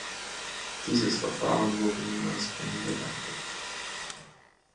Dieses Verfahren wurde niemals eingeleitet.